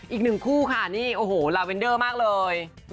อีกหนึ่งคู่ค่ะนี่โอ้โหลาเวนเดอร์มากเลย